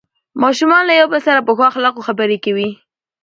ماشومان له یو بل سره په ښو اخلاقو خبرې کوي